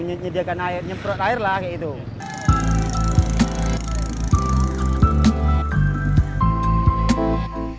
menyediakan air nyemprot air lah kayak gitu